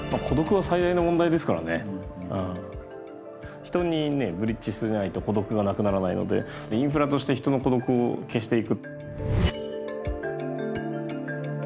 人にブリッジしないと孤独がなくならないので「インフラ」として人の孤独を消していく。